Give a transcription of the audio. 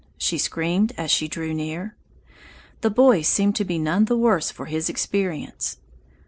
she screamed as she drew near. The boy seemed to be none the worse for his experience.